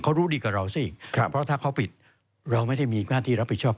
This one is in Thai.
เขารู้ดีกว่าเราสิครับเพราะถ้าเขาปิดเราไม่ได้มีหน้าที่รับผิดชอบ